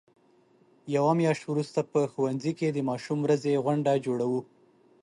یوه میاشت وروسته په ښوونځي کې د ماشوم ورځې غونډه جوړو.